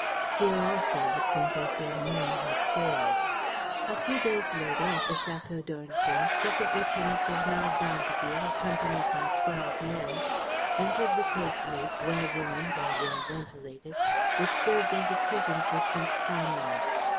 Here also the Comtesse Hermine had failed. ...A few days later, at the Château d'Ornequin, Second Lieutenant Bernard d'Andeville, accompanied by twelve men, entered the casemate, well warmed and well ventilated, which served as a prison for Prince Conrad.